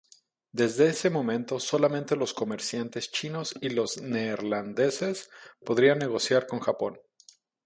Desde ese momento, solamente los comerciantes chinos y los neerlandeses podían negociar con Japón.